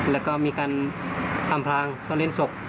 แล้วก็มีการอำพลางซ่อนเล่นศพ